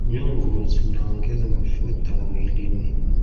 Nyugu zinaongeza mafuta muilini